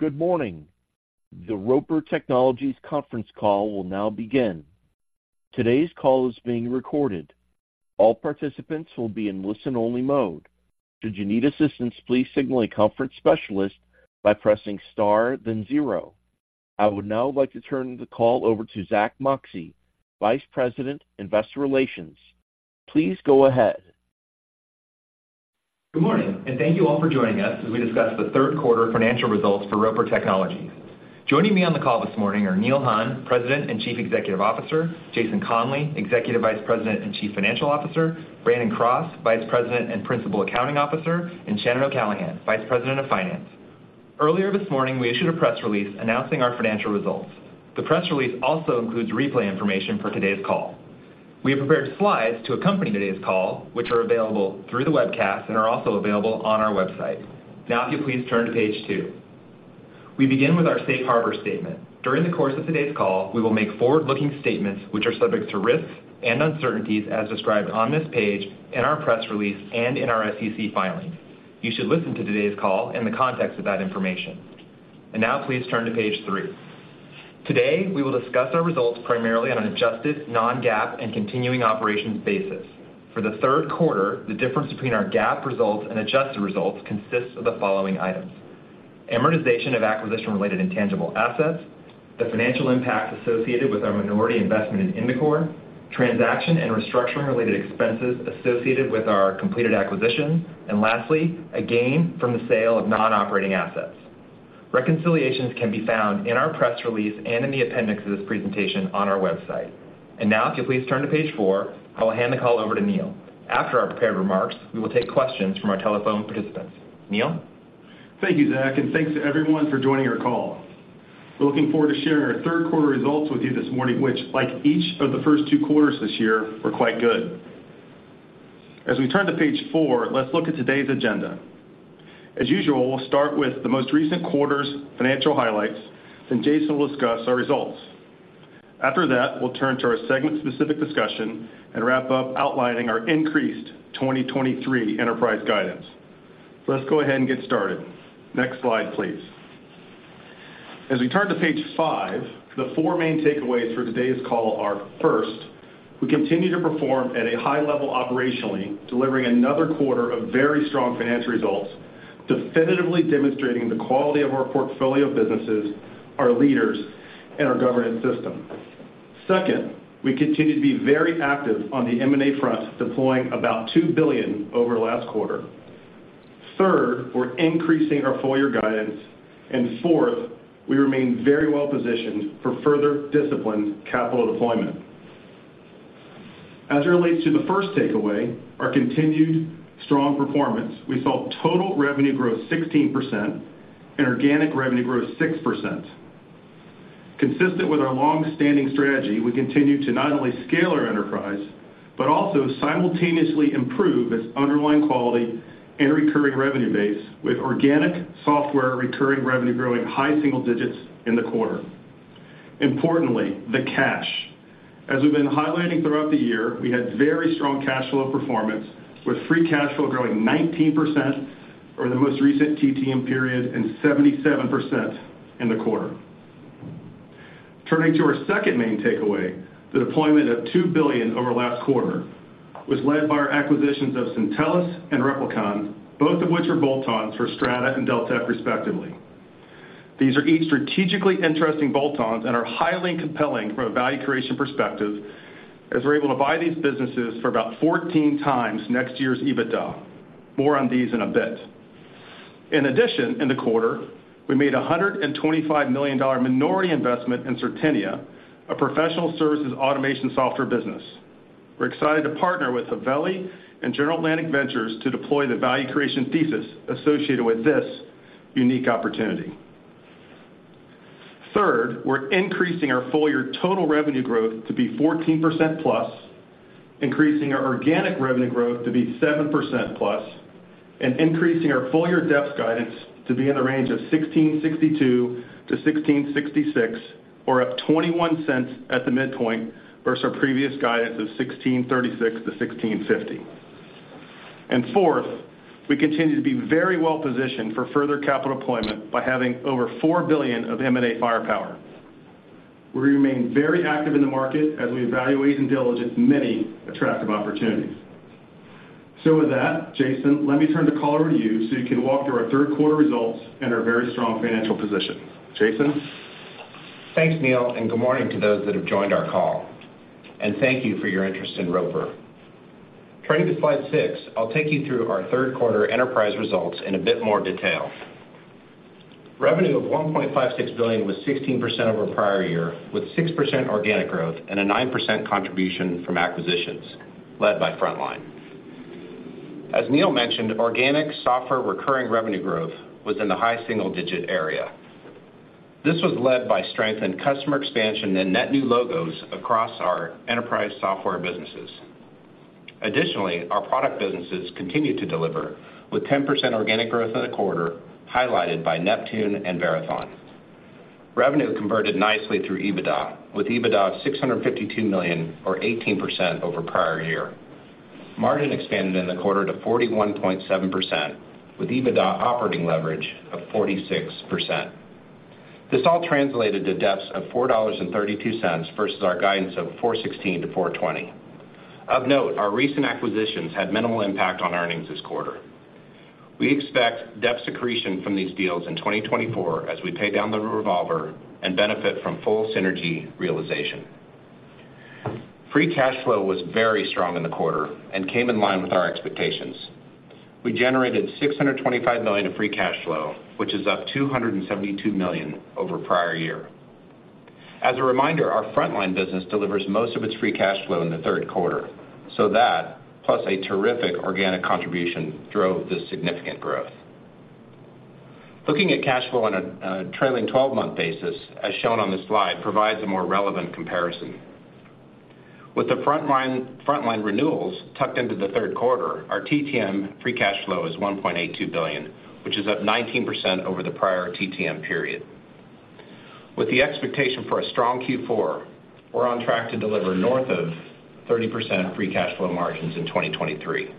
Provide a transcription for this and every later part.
Good morning! The Roper Technologies conference call will now begin. Today's call is being recorded. All participants will be in listen-only mode. Should you need assistance, please signal a conference specialist by pressing Star then zero. I would now like to turn the call over to Zack Moxcey, Vice President, Investor Relations. Please go ahead. Good morning, and thank you all for joining us as we discuss the third quarter financial results for Roper Technologies. Joining me on the call this morning are Neil Hunn, President and Chief Executive Officer; Jason Conley, Executive Vice President and Chief Financial Officer; Brandon Cross, Vice President and Principal Accounting Officer; and Shannon O'Callaghan, Vice President of Finance. Earlier this morning, we issued a press release announcing our financial results. The press release also includes replay information for today's call. We have prepared slides to accompany today's call, which are available through the webcast and are also available on our website. Now, if you'll please turn to page two. We begin with our safe harbor statement. During the course of today's call, we will make forward-looking statements which are subject to risks and uncertainties as described on this page, in our press release, and in our SEC filing. You should listen to today's call in the context of that information. And now, please turn to page 3. Today, we will discuss our results primarily on an adjusted non-GAAP and continuing operations basis. For the third quarter, the difference between our GAAP results and adjusted results consists of the following items: amortization of acquisition-related intangible assets, the financial impact associated with our minority investment in Indicor, transaction and restructuring-related expenses associated with our completed acquisition, and lastly, a gain from the sale of non-operating assets. Reconciliations can be found in our press release and in the appendix of this presentation on our website. And now, if you'll please turn to page 4, I will hand the call over to Neil. After our prepared remarks, we will take questions from our telephone participants. Neil? Thank you, Zack, and thanks to everyone for joining our call. We're looking forward to sharing our third quarter results with you this morning, which, like each of the first two quarters this year, were quite good. As we turn to page 4, let's look at today's agenda. As usual, we'll start with the most recent quarter's financial highlights, then Jason will discuss our results. After that, we'll turn to our segment-specific discussion and wrap up outlining our increased 2023 enterprise guidance. Let's go ahead and get started. Next slide, please. As we turn to page 5, the four main takeaways for today's call are, first, we continue to perform at a high level operationally, delivering another quarter of very strong financial results, definitively demonstrating the quality of our portfolio of businesses, our leaders, and our governance system. Second, we continue to be very active on the M&A front, deploying about $2 billion over last quarter. Third, we're increasing our full-year guidance, and fourth, we remain very well-positioned for further disciplined capital deployment. As it relates to the first takeaway, our continued strong performance, we saw total revenue grow 16% and organic revenue grow 6%. Consistent with our long-standing strategy, we continue to not only scale our enterprise, but also simultaneously improve its underlying quality and recurring revenue base, with organic software recurring revenue growing high single digits in the quarter. Importantly, the cash. As we've been highlighting throughout the year, we had very strong cash flow performance, with free cash flow growing 19% over the most recent TTM period and 77% in the quarter. Turning to our second main takeaway, the deployment of $2 billion over last quarter was led by our acquisitions of Syntellis and Replicon, both of which are bolt-ons for Strata and Deltek, respectively. These are each strategically interesting bolt-ons and are highly compelling from a value creation perspective, as we're able to buy these businesses for about 14x next year's EBITDA. More on these in a bit. In addition, in the quarter, we made a $125 million minority investment in Certinia, a professional services automation software business. We're excited to partner with Haveli and General Atlantic Ventures to deploy the value creation thesis associated with this unique opportunity. Third, we're increasing our full-year total revenue growth to be 14%+, increasing our organic revenue growth to be 7%+, and increasing our full-year EPS guidance to be in the range of $16.62-$16.66, or up 21 cents at the midpoint versus our previous guidance of $16.36-$16.50. Fourth, we continue to be very well-positioned for further capital deployment by having over $4 billion of M&A firepower. We remain very active in the market as we evaluate and diligence many attractive opportunities. So with that, Jason, let me turn the call over to you so you can walk through our third quarter results and our very strong financial position. Jason? Thanks, Neil, and good morning to those that have joined our call. Thank you for your interest in Roper. Turning to slide 6, I'll take you through our third quarter enterprise results in a bit more detail. Revenue of $1.56 billion was 16% over prior year, with 6% organic growth and a 9% contribution from acquisitions, led by Frontline. As Neil mentioned, organic software recurring revenue growth was in the high single digit area. This was led by strength in customer expansion and net new logos across our enterprise software businesses. Additionally, our product businesses continued to deliver, with 10% organic growth in the quarter, highlighted by Neptune and Verathon. Revenue converted nicely through EBITDA, with EBITDA of $652 million, or 18% over prior year. Margin expanded in the quarter to 41.7%, with EBITDA operating leverage of 46%. This all translated to DEPS of $4.32 versus our guidance of $4.16-$4.20. Of note, our recent acquisitions had minimal impact on earnings this quarter. We expect debt reduction from these deals in 2024 as we pay down the revolver and benefit from full synergy realization. Free cash flow was very strong in the quarter and came in line with our expectations. We generated $625 million of free cash flow, which is up $272 million over prior year. As a reminder, our Frontline business delivers most of its free cash flow in the third quarter, so that, plus a terrific organic contribution, drove this significant growth. Looking at cash flow on a trailing-twelve-month basis, as shown on this slide, provides a more relevant comparison. With the Frontline renewals tucked into the third quarter, our TTM free cash flow is $1.82 billion, which is up 19% over the prior TTM period. With the expectation for a strong Q4, we're on track to deliver north of 30% free cash flow margins in 2023.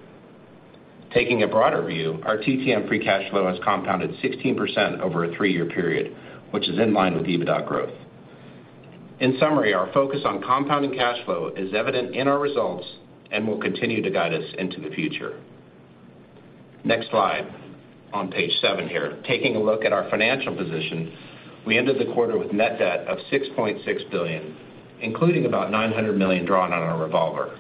Taking a broader view, our TTM free cash flow has compounded 16% over a three-year period, which is in line with EBITDA growth. In summary, our focus on compounding cash flow is evident in our results and will continue to guide us into the future. Next slide, on page 7 here. Taking a look at our financial position, we ended the quarter with net debt of $6.6 billion, including about $900 million drawn on our revolver.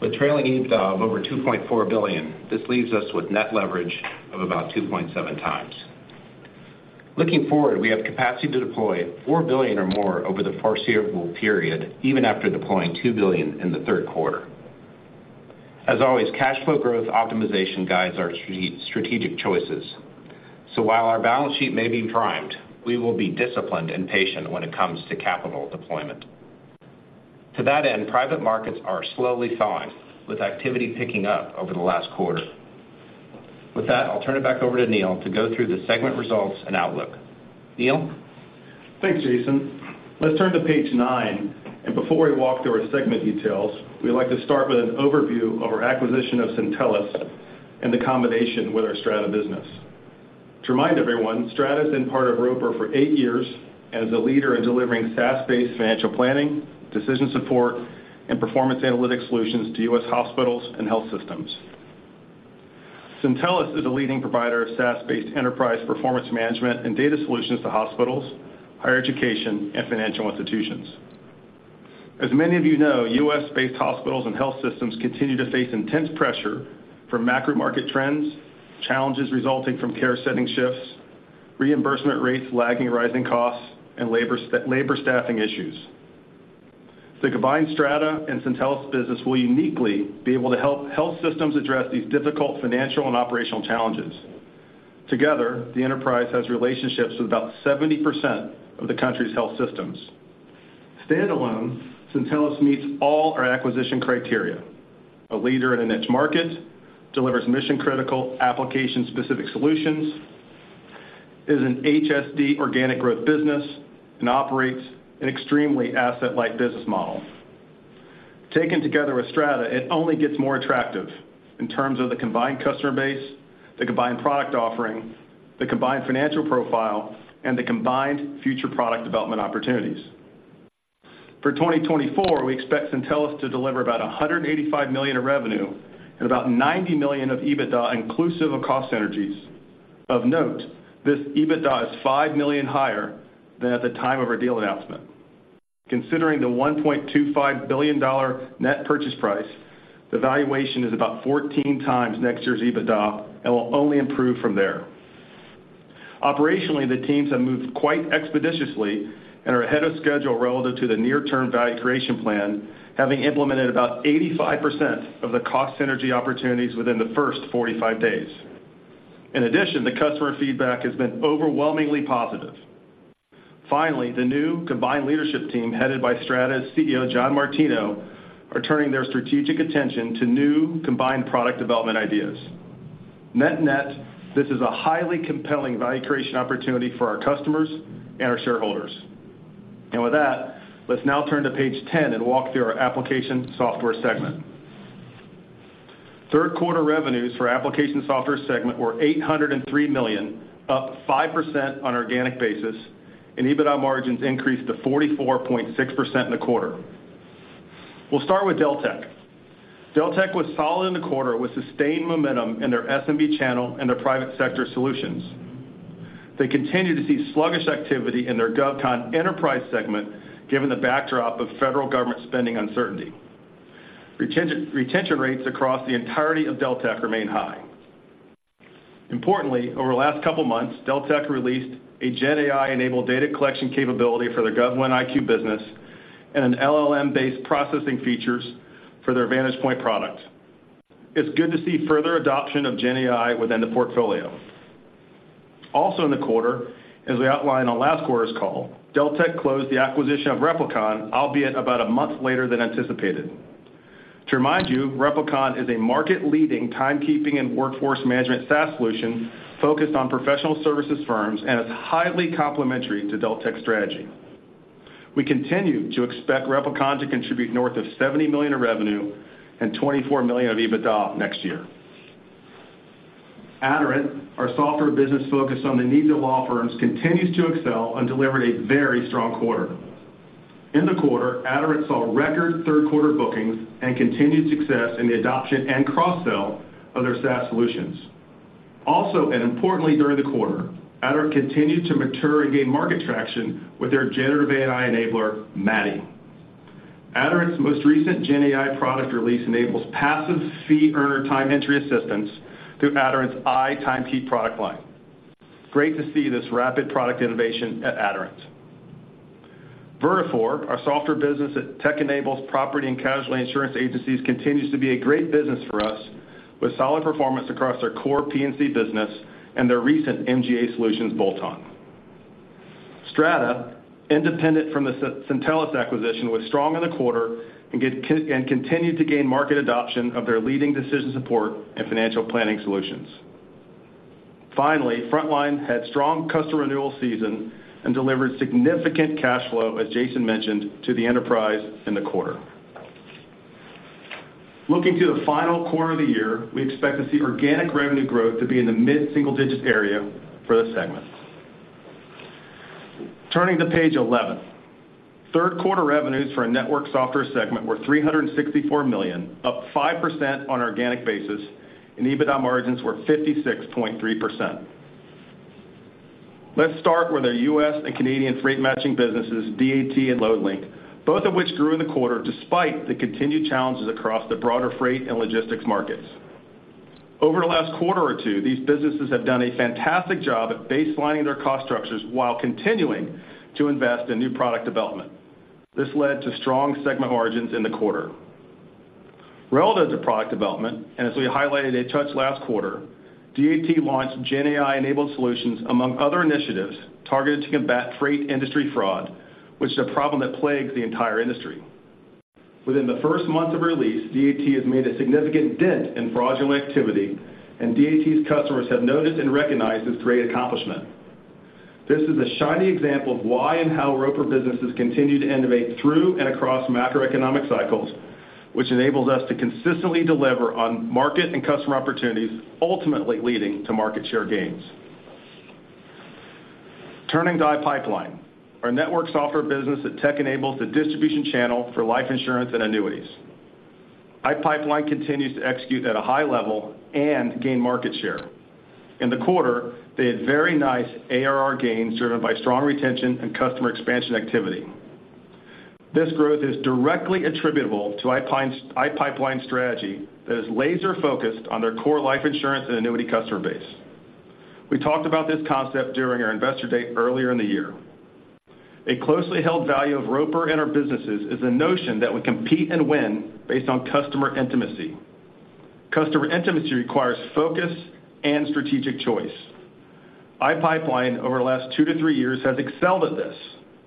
With trailing EBITDA of over $2.4 billion, this leaves us with net leverage of about 2.7x. Looking forward, we have capacity to deploy $4 billion or more over the foreseeable period, even after deploying $2 billion in the third quarter. As always, cash flow growth optimization guides our strategic choices. So while our balance sheet may be primed, we will be disciplined and patient when it comes to capital deployment. To that end, private markets are slowly thawing, with activity picking up over the last quarter. With that, I'll turn it back over to Neil to go through the segment results and outlook. Neil? Thanks, Jason. Let's turn to page 9, and before we walk through our segment details, we'd like to start with an overview of our acquisition of Syntellis and the combination with our Strata business. To remind everyone, Strata has been part of Roper for eight years and is a leader in delivering SaaS-based financial planning, decision support, and performance analytic solutions to U.S. hospitals and health systems. Syntellis is a leading provider of SaaS-based enterprise performance management and data solutions to hospitals, higher education, and financial institutions. As many of you know, U.S.-based hospitals and health systems continue to face intense pressure from macro market trends, challenges resulting from care setting shifts, reimbursement rates lagging rising costs, and labor staffing issues. The combined Strata and Syntellis business will uniquely be able to help health systems address these difficult financial and operational challenges. Together, the enterprise has relationships with about 70% of the country's health systems. Standalone, Syntellis meets all our acquisition criteria: a leader in a niche market, delivers mission-critical application-specific solutions, is an HSD organic growth business, and operates an extremely asset-light business model. Taken together with Strata, it only gets more attractive in terms of the combined customer base, the combined product offering, the combined financial profile, and the combined future product development opportunities. For 2024, we expect Syntellis to deliver about $185 million of revenue and about $90 million of EBITDA, inclusive of cost synergies. Of note, this EBITDA is $5 million higher than at the time of our deal announcement. Considering the $1.25 billion net purchase price, the valuation is about 14x next year's EBITDA and will only improve from there. Operationally, the teams have moved quite expeditiously and are ahead of schedule relative to the near-term value creation plan, having implemented about 85% of the cost synergy opportunities within the first 45 days. In addition, the customer feedback has been overwhelmingly positive. Finally, the new combined leadership team, headed by Strata's CEO, John Martino, are turning their strategic attention to new combined product development ideas. Net-net, this is a highly compelling value creation opportunity for our customers and our shareholders. And with that, let's now turn to page 10 and walk through our application software segment. Third quarter revenues for application software segment were $803 million, up 5% on an organic basis, and EBITDA margins increased to 44.6% in the quarter. We'll start with Deltek. Deltek was solid in the quarter, with sustained momentum in their SMB channel and their private sector solutions. They continue to see sluggish activity in their GovCon enterprise segment, given the backdrop of federal government spending uncertainty. Retention rates across the entirety of Deltek remain high. Importantly, over the last couple months, Deltek released a GenAI-enabled data collection capability for their GovWin IQ business and an LLM-based processing features for their Vantagepoint product. It's good to see further adoption of GenAI within the portfolio. Also in the quarter, as we outlined on last quarter's call, Deltek closed the acquisition of Replicon, albeit about a month later than anticipated.... To remind you, Replicon is a market-leading timekeeping and workforce management SaaS solution focused on professional services firms and is highly complementary to Deltek's strategy. We continue to expect Replicon to contribute north of $70 million in revenue and $24 million of EBITDA next year. Aderant, our software business focused on the needs of law firms, continues to excel and delivered a very strong quarter. In the quarter, Aderant saw record third quarter bookings and continued success in the adoption and cross-sell of their SaaS solutions. Also, and importantly, during the quarter, Aderant continued to mature and gain market traction with their generative AI enabler, MADDI. Aderant's most recent GenAI product release enables passive fee earner time entry assistance through Aderant's iTimeKeep product line. Great to see this rapid product innovation at Aderant. Vertafore, our software business that tech-enables property and casualty insurance agencies, continues to be a great business for us, with solid performance across their core P&C business and their recent MGA solutions bolt-on. Strata, independent from the Syntellis acquisition, was strong in the quarter and continued to gain market adoption of their leading decision support and financial planning solutions. Finally, Frontline had strong customer renewal season and delivered significant cash flow, as Jason mentioned, to the enterprise in the quarter. Looking to the final quarter of the year, we expect to see organic revenue growth to be in the mid-single-digit area for this segment. Turning to page 11. Third quarter revenues for our network software segment were $364 million, up 5% on an organic basis, and EBITDA margins were 56.3%. Let's start with our U.S. and Canadian freight matching businesses, DAT and Loadlink, both of which grew in the quarter despite the continued challenges across the broader freight and logistics markets. Over the last quarter or two, these businesses have done a fantastic job at baselining their cost structures while continuing to invest in new product development. This led to strong segment margins in the quarter. Relative to product development, and as we highlighted a touch last quarter, DAT launched GenAI-enabled solutions, among other initiatives, targeted to combat freight industry fraud, which is a problem that plagues the entire industry. Within the first month of release, DAT has made a significant dent in fraudulent activity, and DAT's customers have noticed and recognized this great accomplishment. This is a shiny example of why and how Roper businesses continue to innovate through and across macroeconomic cycles, which enables us to consistently deliver on market and customer opportunities, ultimately leading to market share gains. Turning to iPipeline, our network software business that tech-enables the distribution channel for life insurance and annuities. iPipeline continues to execute at a high level and gain market share. In the quarter, they had very nice ARR gains, driven by strong retention and customer expansion activity. This growth is directly attributable to iPipeline's strategy that is laser-focused on their core life insurance and annuity customer base. We talked about this concept during our investor day earlier in the year. A closely held value of Roper in our businesses is the notion that we compete and win based on customer intimacy. Customer intimacy requires focus and strategic choice. iPipeline, over the last two to three years, has excelled at this,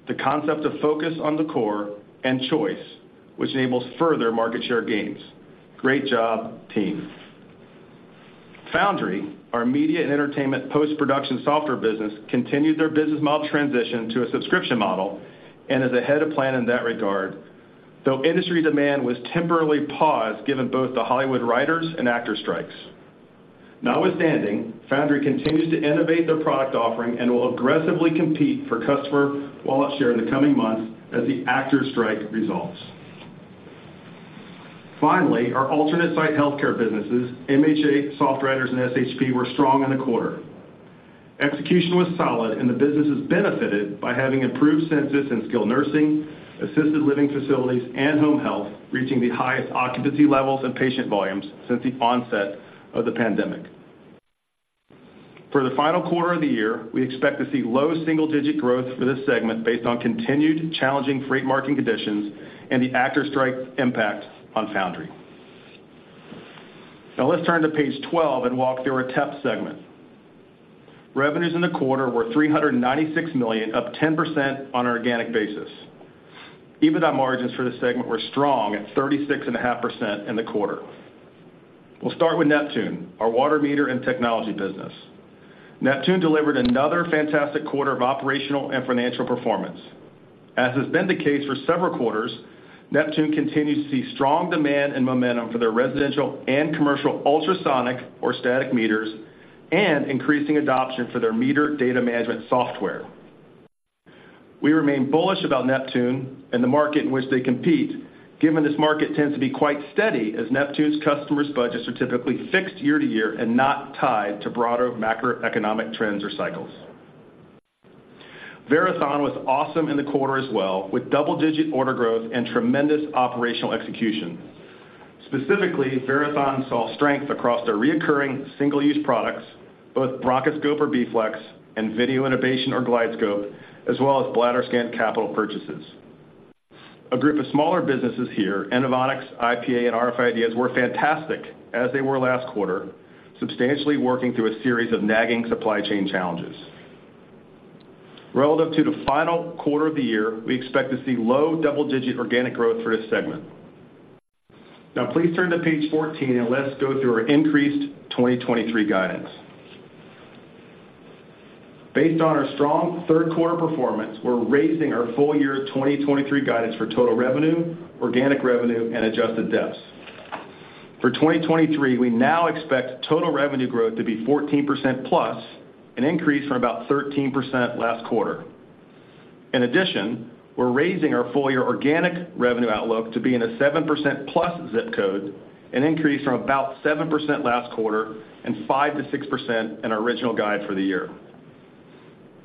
the concept of focus on the core and choice, which enables further market share gains. Great job, team. Foundry, our media and entertainment post-production software business, continued their business model transition to a subscription model and is ahead of plan in that regard, though industry demand was temporarily paused given both the Hollywood writers and actors strikes. Notwithstanding, Foundry continues to innovate their product offering and will aggressively compete for customer wallet share in the coming months as the actors strike resolves. Finally, our alternate site healthcare businesses, MHA, SoftWriters, and SHP, were strong in the quarter. Execution was solid, and the businesses benefited by having improved census and skilled nursing, assisted living facilities, and home health, reaching the highest occupancy levels and patient volumes since the onset of the pandemic. For the final quarter of the year, we expect to see low single-digit growth for this segment based on continued challenging freight market conditions and the actors strike impact on Foundry. Now let's turn to page 12 and walk through our TEP segment. Revenues in the quarter were $396 million, up 10% on an organic basis. EBITDA margins for this segment were strong at 36.5% in the quarter. We'll start with Neptune, our water meter and technology business. Neptune delivered another fantastic quarter of operational and financial performance. As has been the case for several quarters, Neptune continues to see strong demand and momentum for their residential and commercial ultrasonic or static meters and increasing adoption for their meter data management software. We remain bullish about Neptune and the market in which they compete, given this market tends to be quite steady, as Neptune's customers' budgets are typically fixed year to year and not tied to broader macroeconomic trends or cycles. Verathon was awesome in the quarter as well, with double-digit order growth and tremendous operational execution. Specifically, Verathon saw strength across their recurring single-use products, both bronchoscope or BFLEX and video laryngoscope or GlideScope, as well as bladder scan capital purchases. A group of smaller businesses here, Inovonics, IPA, and rf IDEAS, were fantastic, as they were last quarter, substantially working through a series of nagging supply chain challenges. Relative to the final quarter of the year, we expect to see low double-digit organic growth for this segment. Now please turn to page 14, and let's go through our increased 2023 guidance. Based on our strong third quarter performance, we're raising our full-year 2023 guidance for total revenue, organic revenue, and adjusted EPS. For 2023, we now expect total revenue growth to be 14%+, an increase from about 13% last quarter. In addition, we're raising our full-year organic revenue outlook to be in a 7%+ zip code, an increase from about 7% last quarter and 5%-6% in our original guide for the year.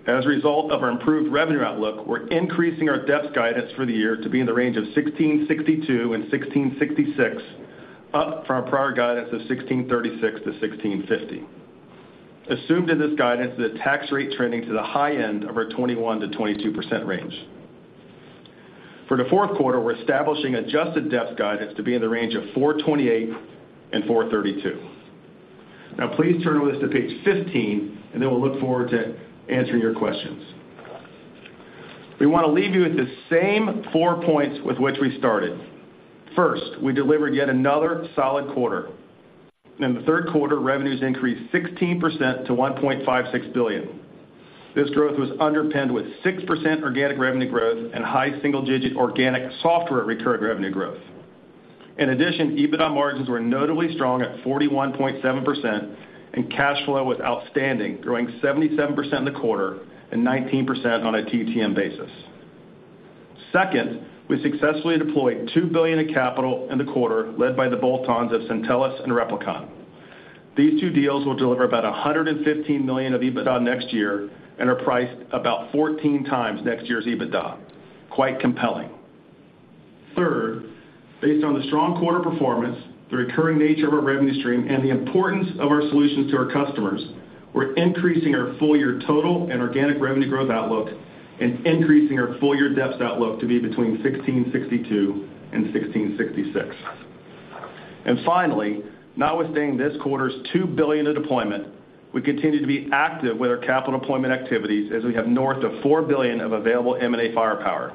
As a result of our improved revenue outlook, we're increasing our EPS guidance for the year to be in the range of $16.62-$16.66, up from our prior guidance of $16.36-$16.50. Assumed in this guidance is a tax rate trending to the high end of our 21%-22% range. For the fourth quarter, we're establishing adjusted EPS guidance to be in the range of $4.28-$4.32. Now please turn with us to page 15, and then we'll look forward to answering your questions. We want to leave you with the same four points with which we started. First, we delivered yet another solid quarter. In the third quarter, revenues increased 16% to $1.56 billion. This growth was underpinned with 6% organic revenue growth and high single-digit organic software recurring revenue growth. In addition, EBITDA margins were notably strong at 41.7%, and cash flow was outstanding, growing 77% in the quarter and 19% on a TTM basis. Second, we successfully deployed $2 billion in capital in the quarter, led by the bolt-ons of Syntellis and Replicon. These two deals will deliver about $115 million of EBITDA next year and are priced about 14x next year's EBITDA. Quite compelling. Third, based on the strong quarter performance, the recurring nature of our revenue stream, and the importance of our solutions to our customers, we're increasing our full-year total and organic revenue growth outlook and increasing our full-year EPS outlook to be between $16.62 and $16.66. Finally, notwithstanding this quarter's $2 billion of deployment, we continue to be active with our capital deployment activities as we have north of $4 billion of available M&A firepower.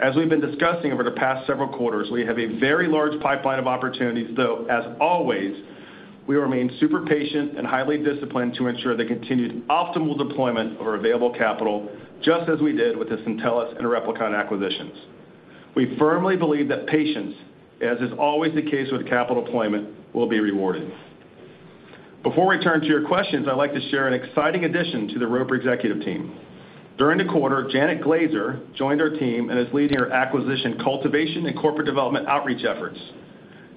As we've been discussing over the past several quarters, we have a very large pipeline of opportunities, though, as always, we remain super patient and highly disciplined to ensure the continued optimal deployment of our available capital, just as we did with the Syntellis and Replicon acquisitions. We firmly believe that patience, as is always the case with capital deployment, will be rewarded. Before we turn to your questions, I'd like to share an exciting addition to the Roper executive team. During the quarter, Janet Glazer joined our team and is leading our acquisition, cultivation, and corporate development outreach efforts.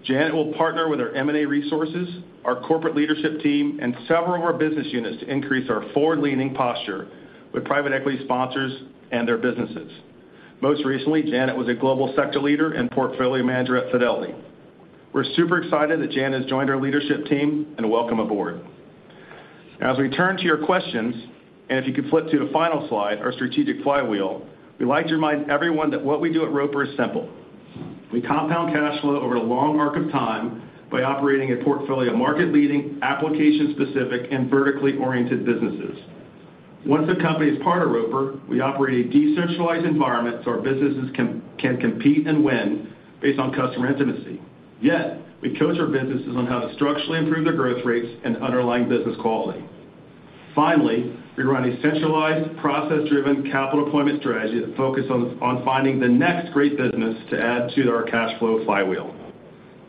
Janet will partner with our M&A resources, our corporate leadership team, and several of our business units to increase our forward-leaning posture with private equity sponsors and their businesses. Most recently, Janet was a global sector leader and portfolio manager at Fidelity. We're super excited that Janet has joined our leadership team, and welcome aboard. Now, as we turn to your questions, and if you could flip to the final slide, our strategic flywheel, we'd like to remind everyone that what we do at Roper is simple. We compound cash flow over a long arc of time by operating a portfolio of market-leading, application-specific, and vertically oriented businesses. Once a company is part of Roper, we operate a decentralized environment so our businesses can compete and win based on customer intimacy. Yet, we coach our businesses on how to structurally improve their growth rates and underlying business quality. Finally, we run a centralized, process-driven capital deployment strategy that focuses on finding the next great business to add to our cash flow flywheel.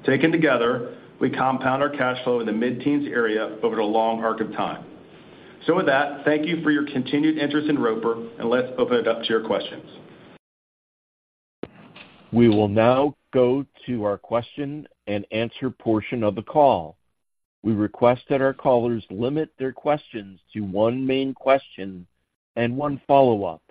Taken together, we compound our cash flow in the mid-teens area over a long arc of time. So with that, thank you for your continued interest in Roper, and let's open it up to your questions. We will now go to our question and answer portion of the call. We request that our callers limit their questions to one main question and one follow-up.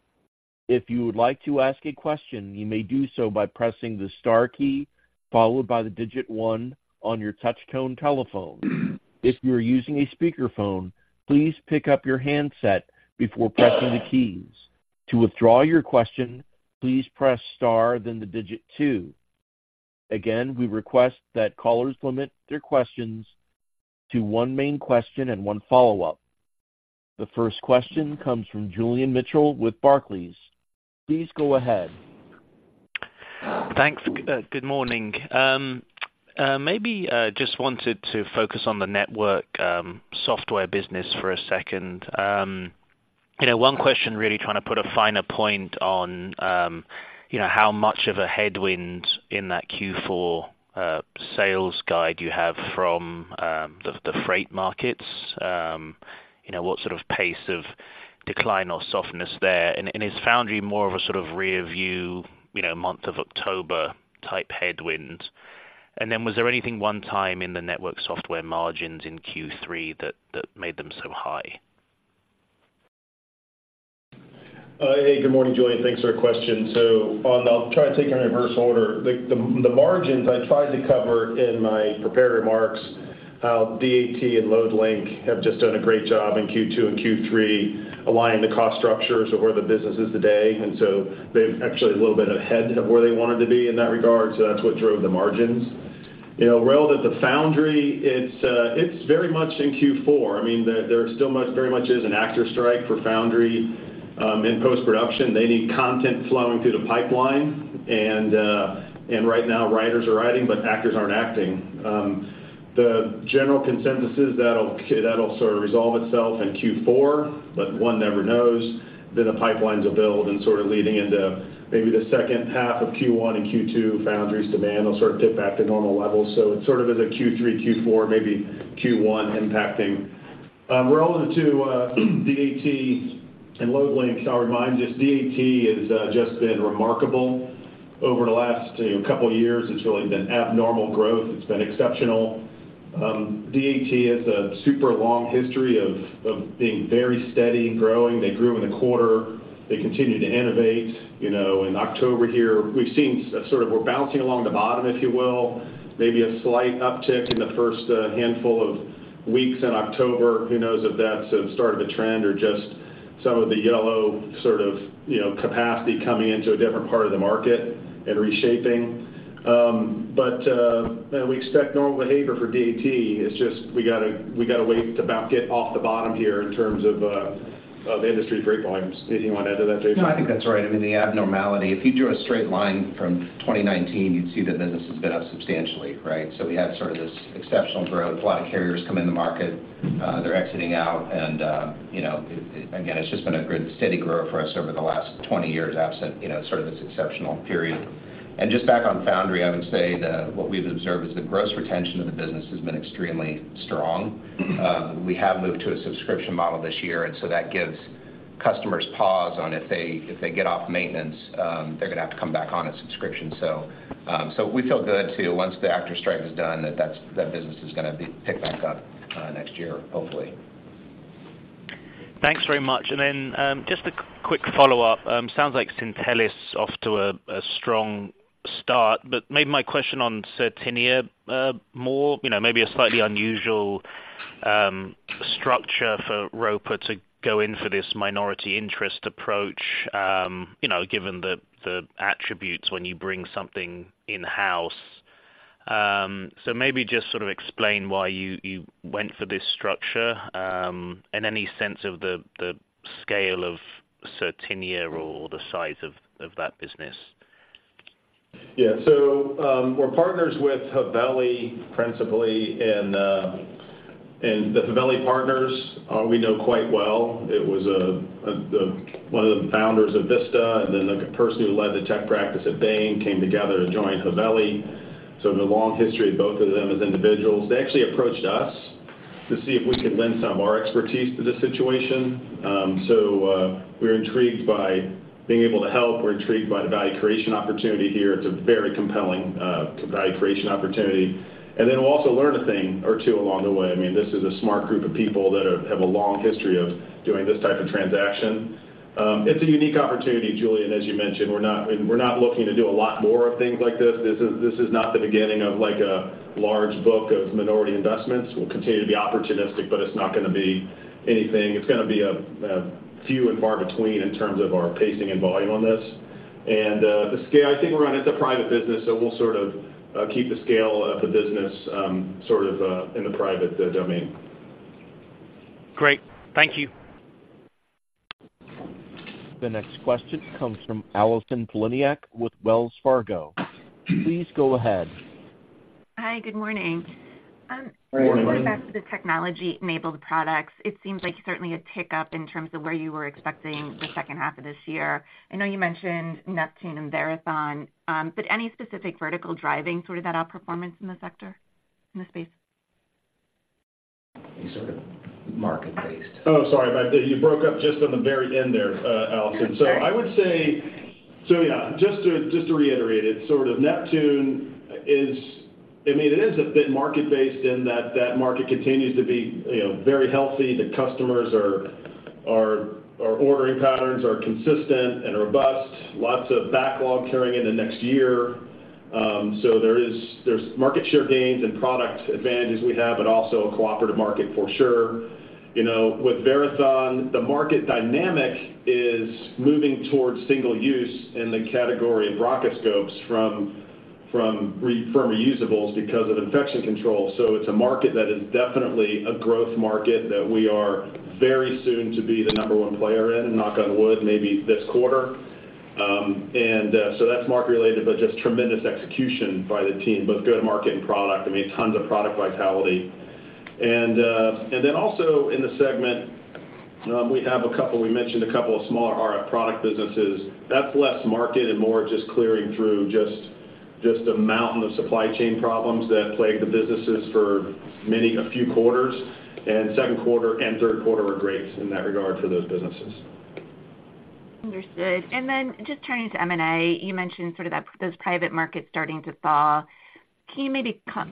If you would like to ask a question, you may do so by pressing the star key, followed by the digit one on your touch tone telephone. If you are using a speakerphone, please pick up your handset before pressing the keys. To withdraw your question, please press star, then the digit two. Again, we request that callers limit their questions to one main question and one follow-up. The first question comes from Julian Mitchell with Barclays. Please go ahead. Thanks. Good morning. Maybe just wanted to focus on the network software business for a second. You know, one question, really trying to put a finer point on, you know, how much of a headwind in that Q4 sales guide you have from the freight markets. You know, what sort of pace of decline or softness there? And is Foundry more of a sort of rearview, you know, month of October type headwind? And then was there anything one-time in the network software margins in Q3 that made them so high? Hey, good morning, Julian. Thanks for your question. So on... I'll try to take it in reverse order. The margins I tried to cover in my prepared remarks, how DAT and Loadlink have just done a great job in Q2 and Q3, aligning the cost structures of where the business is today. And so they're actually a little bit ahead of where they wanted to be in that regard, so that's what drove the margins.... You know, well, at the Foundry, it's very much in Q4. I mean, very much is an actor strike for Foundry in post-production. They need content flowing through the pipeline, and right now, writers are writing, but actors aren't acting. The general consensus is that'll sort of resolve itself in Q4, but one never knows. Then the pipelines will build and sort of leading into maybe the second half of Q1 and Q2, Foundry's demand will sort of dip back to normal levels. So it sort of is a Q3, Q4, maybe Q1 impacting. Relevant to DAT and Loadlink, I'll remind you, this DAT has just been remarkable over the last, you know, couple of years. It's really been abnormal growth. It's been exceptional. DAT has a super long history of being very steady and growing. They grew in the quarter. They continue to innovate. You know, in October here, we've seen sort of—we're bouncing along the bottom, if you will, maybe a slight uptick in the first handful of weeks in October. Who knows if that's the start of a trend or just some of the yellow sort of, you know, capacity coming into a different part of the market and reshaping. But we expect normal behavior for DAT. It's just we gotta wait to about get off the bottom here in terms of of industry freight volumes. Did you want to add to that, Jason? No, I think that's right. I mean, the abnormality, if you drew a straight line from 2019, you'd see the business has been up substantially, right? So we had sort of this exceptional growth. A lot of carriers come in the market, they're exiting out, and, you know, again, it's just been a good steady growth for us over the last 20 years, absent, you know, sort of this exceptional period. And just back on Foundry, I would say that what we've observed is the gross retention of the business has been extremely strong. We have moved to a subscription model this year, and so that gives customers pause on if they, if they get off maintenance, they're gonna have to come back on a subscription. So, so we feel good too, once the actor strike is done, that that business is gonna be picked back up, next year, hopefully. Thanks very much. And then, just a quick follow-up. Sounds like Syntellis off to a strong start, but maybe my question on Certinia, more, you know, maybe a slightly unusual structure for Roper to go in for this minority interest approach, you know, given the, the attributes when you bring something in-house. So maybe just sort of explain why you, you went for this structure, and any sense of the, the scale of Certinia or the size of, of that business. Yeah. So, we're partners with Haveli, principally, and, and the Haveli partners, we know quite well. It was the one of the founders of Vista, and then the person who led the tech practice at Bain, came together to join Haveli. So the long history of both of them as individuals. They actually approached us to see if we could lend some of our expertise to this situation. So, we're intrigued by being able to help. We're intrigued by the value creation opportunity here. It's a very compelling value creation opportunity, and then we'll also learn a thing or two along the way. I mean, this is a smart group of people that have a long history of doing this type of transaction. It's a unique opportunity, Julian, as you mentioned, we're not, we're not looking to do a lot more of things like this. This is, this is not the beginning of, like, a large book of minority investments. We'll continue to be opportunistic, but it's not gonna be anything... It's gonna be a, a few and far between in terms of our pacing and volume on this. And, the scale, I think we're on, it's a private business, so we'll sort of, keep the scale of the business, sort of, in the private, domain. Great. Thank you. The next question comes from Allison Poliniak with Wells Fargo. Please go ahead. Hi, good morning. Good morning. Going back to the technology-enabled products, it seems like certainly a pickup in terms of where you were expecting the second half of this year. I know you mentioned Neptune and Verathon, but any specific vertical driving sort of that outperformance in the sector, in the space? Any sort of market-based? Oh, sorry about that. You broke up just on the very end there, Allison. Sorry. So yeah, just to reiterate it, sort of Neptune is. I mean, it is a bit market-based in that that market continues to be, you know, very healthy. The customers are. Our ordering patterns are consistent and robust, lots of backlog carrying in the next year. So there is. There's market share gains and product advantages we have, but also a cooperative market for sure. You know, with Verathon, the market dynamic is moving towards single use in the category of bronchoscopes from reusables because of infection control. So it's a market that is definitely a growth market, that we are very soon to be the No. 1 player in, knock on wood, maybe this quarter. And so that's market-related, but just tremendous execution by the team, both go-to-market and product. I mean, tons of product vitality. And then also in the segment, we have a couple. We mentioned a couple of smaller RF product businesses. That's less market and more just clearing through a mountain of supply chain problems that plagued the businesses for many, a few quarters, and second quarter and third quarter are great in that regard for those businesses. Understood. And then just turning to M&A, you mentioned sort of that, those private markets starting to thaw. Can you maybe, you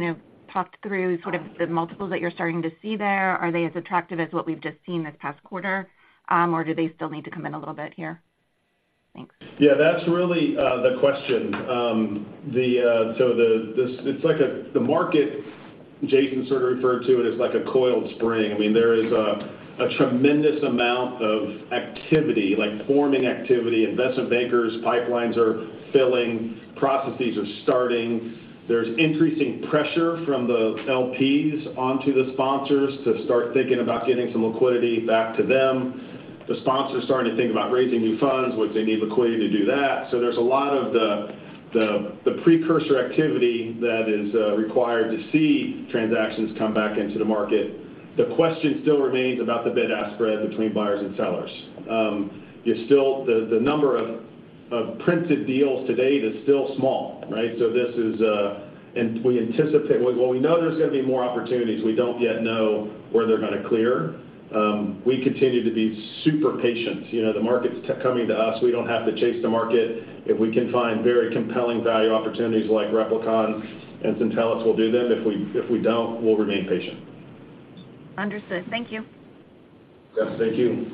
know, talk through sort of the multiples that you're starting to see there? Are they as attractive as what we've just seen this past quarter, or do they still need to come in a little bit here? Thanks. Yeah, that's really the question. It's like the market Jason sort of referred to it as like a coiled spring. I mean, there is a tremendous amount of activity, like forming activity, investment bankers, pipelines are filling, processes are starting. There's increasing pressure from the LPs onto the sponsors to start thinking about getting some liquidity back to them. The sponsors are starting to think about raising new funds, which they need liquidity to do that. So there's a lot of precursor activity that is required to see transactions come back into the market. The question still remains about the bid-ask spread between buyers and sellers. You still, the number of printed deals to date is still small, right? So this is. We anticipate, well, we know there's gonna be more opportunities. We don't yet know where they're gonna clear. We continue to be super patient. You know, the market's coming to us. We don't have to chase the market. If we can find very compelling value opportunities like Replicon and Syntellis, we'll do them. If we don't, we'll remain patient. Understood. Thank you. Yes, thank you.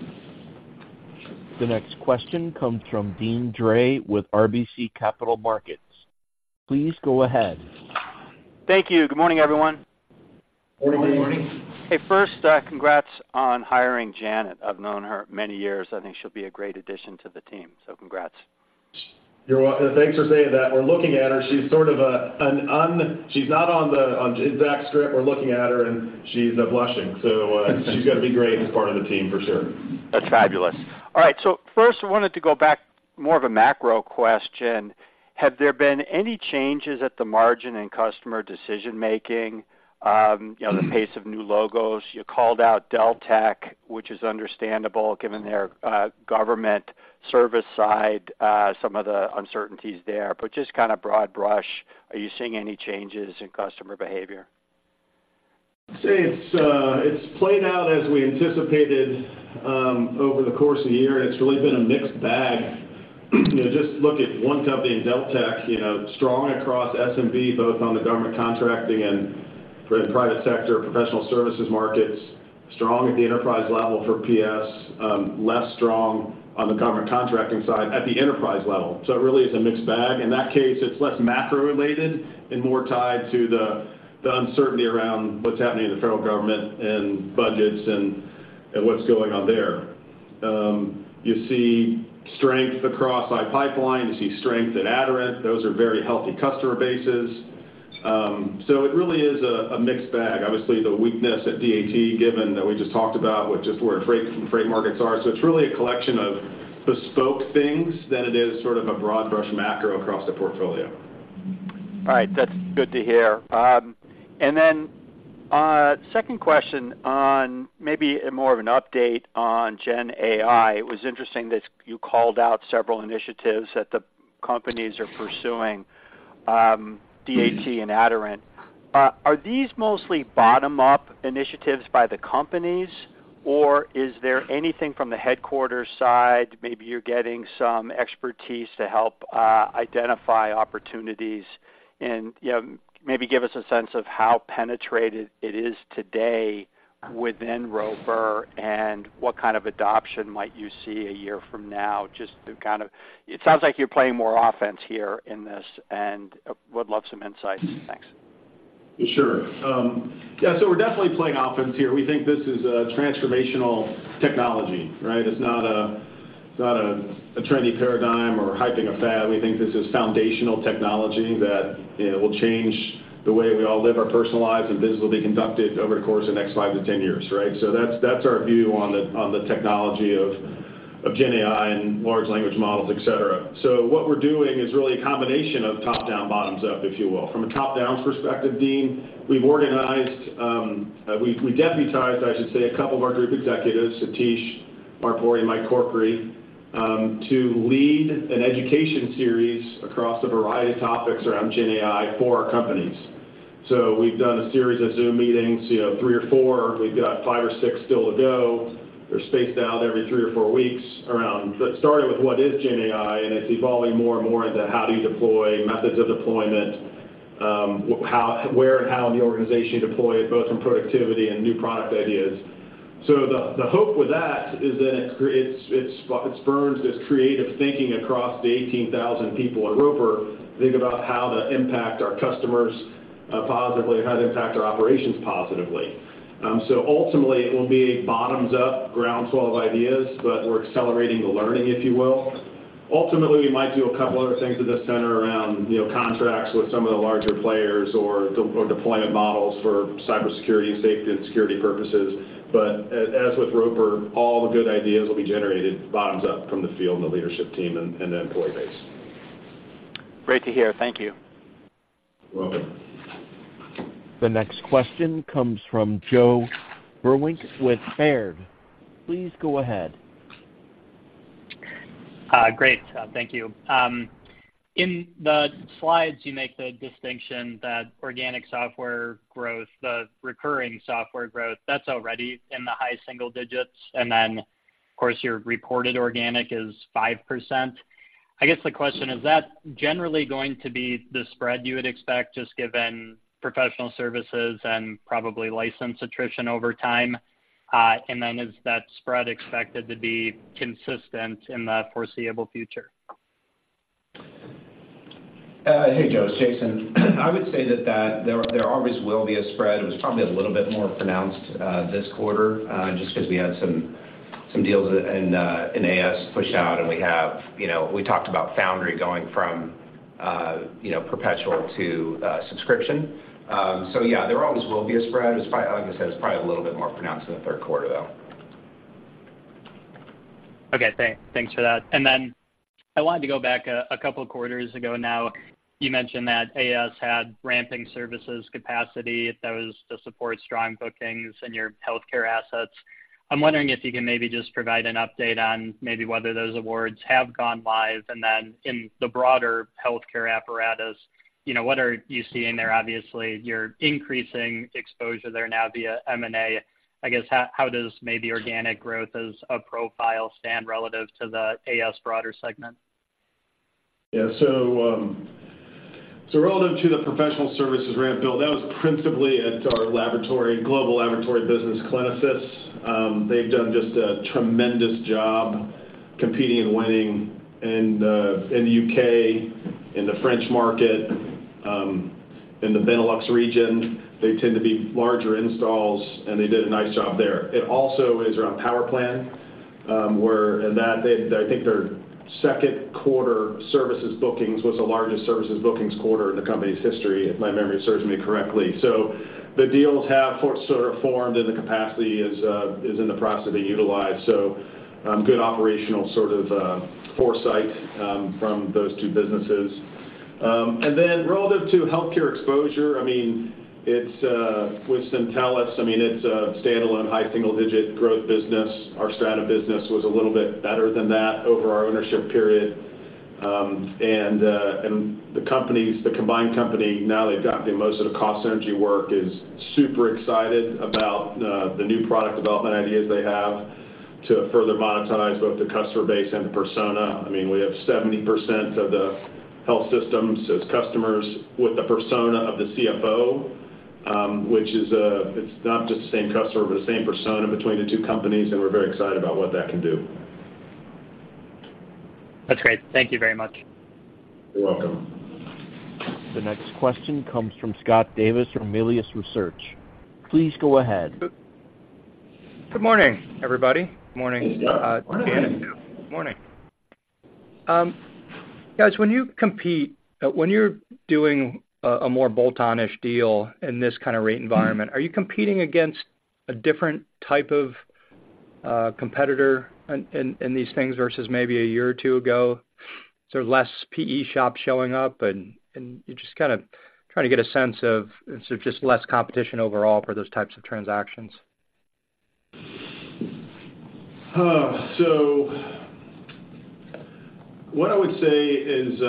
The next question comes from Deane Dray with RBC Capital Markets. Please go ahead. Thank you. Good morning, everyone. Good morning. Hey, first, congrats on hiring Janet. I've known her many years. I think she'll be a great addition to the team, so congrats. You're welcome. Thanks for saying that. We're looking at her. She's sort of a—she's not on the, on the exact script. We're looking at her, and she's blushing. So, she's gonna be great as part of the team, for sure. That's fabulous. All right. So first, I wanted to go back, more of a macro question. Have there been any changes at the margin in customer decision-making, you know, the pace of new logos? You called out Deltek, which is understandable, given their government service side, some of the uncertainties there. But just kind of broad brush, are you seeing any changes in customer behavior? I'd say it's, it's played out as we anticipated, over the course of the year, and it's really been a mixed bag. You know, just look at one company in Deltek, you know, strong across SMB, both on the government contracting and for the private sector, professional services markets, strong at the enterprise level for PS, less strong on the government contracting side at the enterprise level. So it really is a mixed bag. In that case, it's less macro related and more tied to the uncertainty around what's happening in the federal government and budgets and what's going on there. You see strength across iPipeline, you see strength at Aderant. Those are very healthy customer bases. So it really is a mixed bag. Obviously, the weakness at DAT, given that we just talked about, which is where freight markets are. So it's really a collection of bespoke things rather than it is sort of a broad brush macro across the portfolio. All right. That's good to hear. And then, second question on maybe more of an update on GenAI. It was interesting that you called out several initiatives that the companies are pursuing, DAT and Aderant. Are these mostly bottom-up initiatives by the companies, or is there anything from the headquarters side? Maybe you're getting some expertise to help identify opportunities and, you know, maybe give us a sense of how penetrated it is today within Roper, and what kind of adoption might you see a year from now? Just to kind of, it sounds like you're playing more offense here in this, and would love some insights. Thanks. Sure. Yeah, so we're definitely playing offense here. We think this is a transformational technology, right? It's not a trendy paradigm or hyping a fad. We think this is foundational technology that, you know, will change the way we all live our personal lives and business will be conducted over the course of the next 5-10 years, right? So that's our view on the technology of GenAI and large language models, etc. So what we're doing is really a combination of top-down, bottoms-up, if you will. From a top-down perspective, Deane, we've organized. We deputized, I should say, a couple of our group executives, Satish Maripuri and Mike Corkery, to lead an education series across a variety of topics around GenAI for our companies. So we've done a series of Zoom meetings, you know, three or four. We've got five or six still to go. They're spaced out every three or four weeks around starting with what is GenAI, and it's evolving more and more into how do you deploy, methods of deployment, where and how in the organization you deploy it, both from productivity and new product ideas. So the hope with that is that it's, it's, it spurs this creative thinking across the 18,000 people at Roper to think about how to impact our customers positively and how to impact our operations positively. So ultimately, it will be a bottoms-up, groundswell of ideas, but we're accelerating the learning, if you will. Ultimately, we might do a couple other things that just center around, you know, contracts with some of the larger players or deployment models for cybersecurity and safety and security purposes. But as with Roper, all the good ideas will be generated bottoms-up from the field and the leadership team and the employee base. Great to hear. Thank you. You're welcome. The next question comes from Joe Vruwink with Baird.Please go ahead. Great. Thank you. In the slides, you make the distinction that organic software growth, the recurring software growth, that's already in the high single digits, and then, of course, your reported organic is 5%. I guess the question: Is that generally going to be the spread you would expect, just given professional services and probably license attrition over time? And then is that spread expected to be consistent in the foreseeable future? ... Hey, Joe, it's Jason. I would say that there always will be a spread. It was probably a little bit more pronounced this quarter just because we had some deals in AIS pushed out, and we have you know, we talked about Foundry going from you know, perpetual to subscription. So, yeah, there always will be a spread. It's probably, like I said, it's probably a little bit more pronounced in the third quarter, though. Okay, thanks. Thanks for that. And then I wanted to go back a couple of quarters ago now. You mentioned that AIS had ramping services capacity that was to support strong bookings in your healthcare assets. I'm wondering if you can maybe just provide an update on maybe whether those awards have gone live. And then in the broader healthcare apparatus, you know, what are you seeing there? Obviously, you're increasing exposure there now via M&A. I guess, how does maybe organic growth as a profile stand relative to the AIS broader segment? Yeah. So, so relative to the professional services ramp build, that was principally at our laboratory, global laboratory business, Clinisys. They've done just a tremendous job competing and winning in the, in the U.K., in the French market, in the Benelux region. They tend to be larger installs, and they did a nice job there. It also is around PowerPlan, where and that they. I think their second quarter services bookings was the largest services bookings quarter in the company's history, if my memory serves me correctly. So the deals have sort of formed, and the capacity is in the process of being utilized. So, good operational sort of, foresight from those two businesses. And then relative to healthcare exposure, I mean, it's with Syntellis, I mean, it's a standalone high single-digit growth business. Our Strata business was a little bit better than that over our ownership period. And the companies, the combined company, now they've gotten most of the cost synergy work, is super excited about the new product development ideas they have to further monetize both the customer base and the persona. I mean, we have 70% of the health systems as customers with the persona of the CFO, which is, it's not just the same customer, but the same persona between the two companies, and we're very excited about what that can do. That's great. Thank you very much. You're welcome. The next question comes from Scott Davis from Melius Research. Please go ahead. Good morning, everybody. Morning, Janet. Morning. Guys, when you compete, when you're doing a more bolt-onish deal in this kind of rate environment, are you competing against a different type of competitor in these things versus maybe a year or two ago? So less PE shops showing up, and you're just kind of trying to get a sense of, is it just less competition overall for those types of transactions? So what I would say is,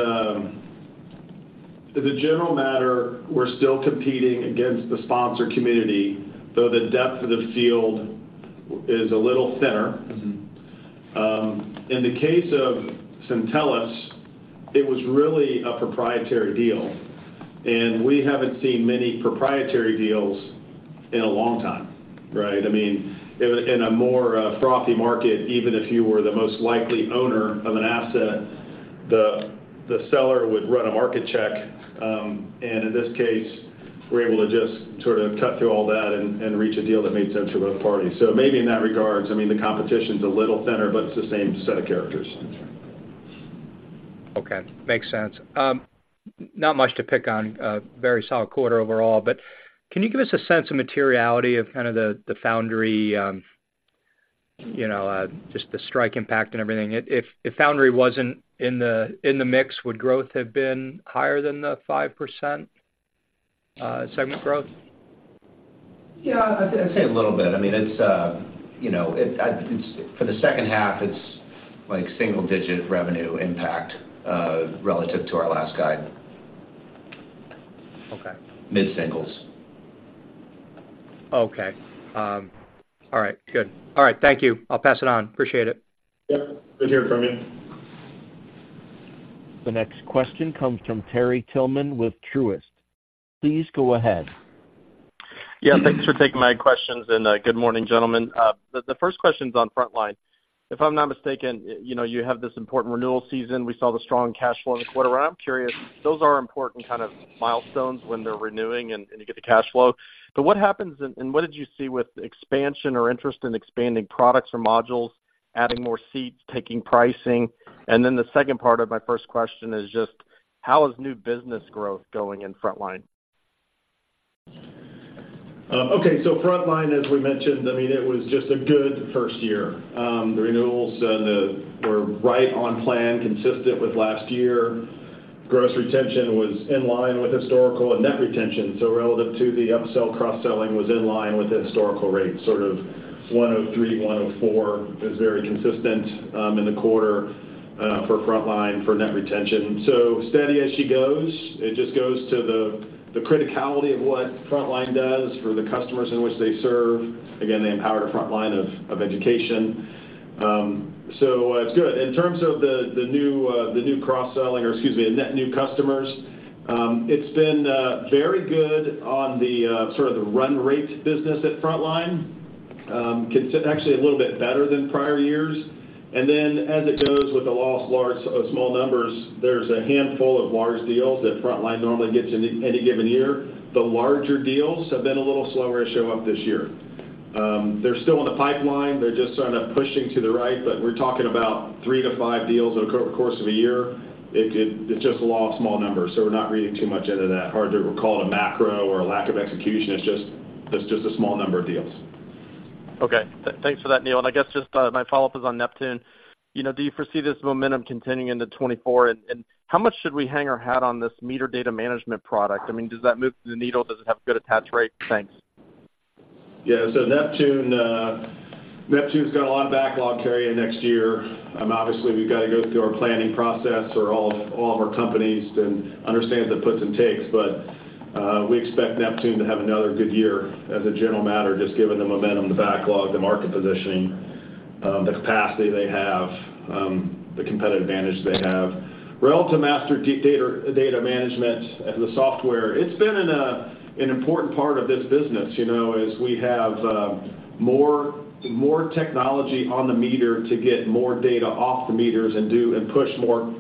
as a general matter, we're still competing against the sponsor community, though the depth of the field is a little thinner. Mm-hmm. In the case of Syntellis, it was really a proprietary deal, and we haven't seen many proprietary deals in a long time, right? I mean, in a more, frothy market, even if you were the most likely owner of an asset, the seller would run a market check. And in this case, we're able to just sort of cut through all that and reach a deal that made sense for both parties. So maybe in that regards, I mean, the competition's a little thinner, but it's the same set of characters. Okay, makes sense. Not much to pick on, a very solid quarter overall, but can you give us a sense of materiality of kind of the, the Foundry, you know, just the strike impact and everything? If Foundry wasn't in the mix, would growth have been higher than the 5%, segment growth? Yeah, I'd say a little bit. I mean, it's, you know, it, it's for the second half, it's like single digit revenue impact, relative to our last guide. Okay. Mid singles. Okay. All right, good. All right, thank you. I'll pass it on. Appreciate it. Yep. Good hearing from you. The next question comes from Terry Tillman with Truist. Please go ahead. Yeah, thanks for taking my questions, and good morning, gentlemen. The first question's on Frontline. If I'm not mistaken, you know, you have this important renewal season. We saw the strong cash flow in the quarter. I'm curious, those are important kind of milestones when they're renewing and you get the cash flow. But what happens and what did you see with expansion or interest in expanding products or modules, adding more seats, taking pricing? And then the second part of my first question is just, how is new business growth going in Frontline? Okay. So Frontline, as we mentioned, I mean, it was just a good first year. The renewals were right on plan, consistent with last year. Gross retention was in line with historical and net retention, so relative to the upsell, cross-selling was in line with the historical rate, sort of 103% to 104%. It was very consistent in the quarter for Frontline for net retention. So steady as she goes. It just goes to the criticality of what Frontline does for the customers in which they serve. Again, they empower the frontline of education. So it's good. In terms of the new cross-selling, or excuse me, the net new customers, it's been very good on the sort of run rate business at Frontline.... Actually a little bit better than prior years. Then as it goes with the law of large or small numbers, there's a handful of large deals that Frontline normally gets in any given year. The larger deals have been a little slower to show up this year. They're still in the pipeline. They're just sort of pushing to the right, but we're talking about three-five deals over the course of a year. It's just the law of small numbers, so we're not reading too much into that. Hard to call it a macro or a lack of execution. It's just a small number of deals. Okay. Thanks for that, Neil. And I guess just, my follow-up is on Neptune. You know, do you foresee this momentum continuing into 2024? And, and how much should we hang our hat on this meter data management product? I mean, does that move the needle? Does it have a good attach rate? Thanks. Yeah. So Neptune, Neptune's got a lot of backlog carry in next year. Obviously, we've got to go through our planning process for all of our companies and understand the puts and takes. But, we expect Neptune to have another good year as a general matter, just given the momentum, the backlog, the market positioning, the capacity they have, the competitive advantage they have. Relative to master data, data management as a software, it's been an important part of this business, you know, as we have more technology on the meter to get more data off the meters and push more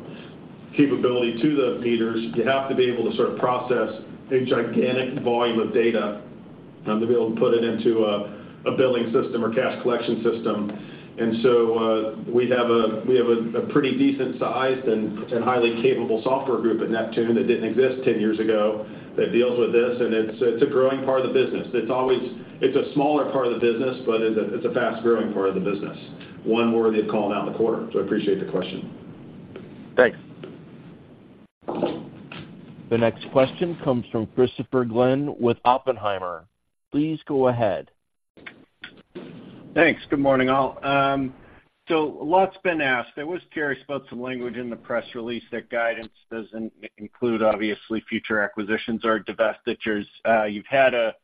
capability to the meters, you have to be able to sort of process a gigantic volume of data to be able to put it into a billing system or cash collection system. So, we have a pretty decent sized and highly capable software group at Neptune that didn't exist 10 years ago, that deals with this, and it's a growing part of the business. It's always... It's a smaller part of the business, but it's a fast-growing part of the business, one worthy of calling out in the quarter. So I appreciate the question. Thanks. The next question comes from Christopher Glynn with Oppenheimer. Please go ahead. Thanks. Good morning, all. So a lot's been asked. I was curious about some language in the press release that guidance doesn't include, obviously, future acquisitions or divestitures. You've had a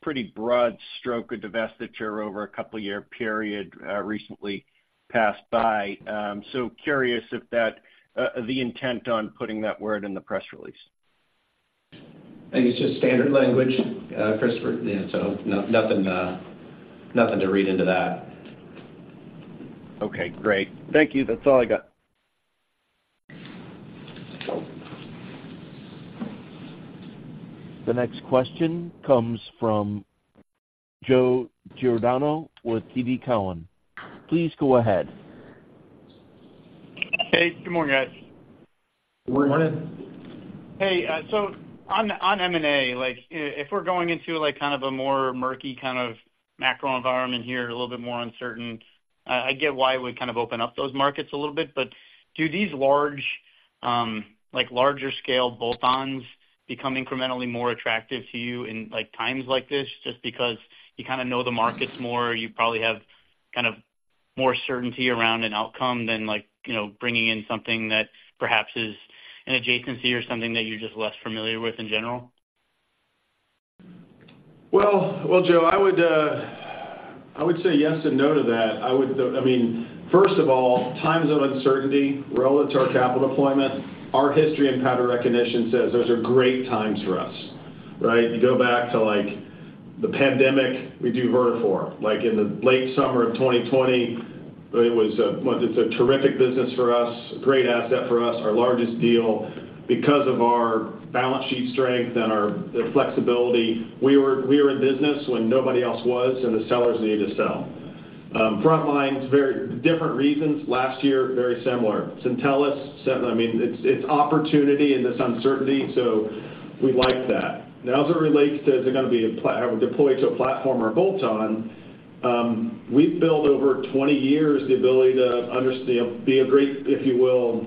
pretty broad stroke of divestiture over a couple year period, recently passed by. So curious if that, the intent on putting that word in the press release. I think it's just standard language, Christopher. Yeah, so nothing, nothing to read into that. Okay, great. Thank you. That's all I got. The next question comes from Joe Giordano with TD Cowen. Please go ahead. Hey, good morning, guys. Good morning. Morning. Hey, so on M&A, like, if we're going into, like, kind of a more murky kind of macro environment here, a little bit more uncertain, I get why we kind of open up those markets a little bit. But do these large, like, larger scale bolt-ons become incrementally more attractive to you in, like, times like this, just because you kind of know the markets more, you probably have kind of more certainty around an outcome than like, you know, bringing in something that perhaps is an adjacency or something that you're just less familiar with in general? Well, well, Joe, I would say yes and no to that. I would... I mean, first of all, times of uncertainty relative to our capital deployment, our history and pattern recognition says those are great times for us, right? You go back to, like, the pandemic, we do Vertafore. Like, in the late summer of 2020, it was a, well, it's a terrific business for us, a great asset for us, our largest deal. Because of our balance sheet strength and our, the flexibility, we were, we were in business when nobody else was, and the sellers needed to sell. Frontline's very different reasons. Last year, very similar. Syntellis, I mean, it's, it's opportunity in this uncertainty, so we like that. Now, as it relates to is it gonna be a platform or a bolt-on, we've built over 20 years the ability to understand to be a great, if you will,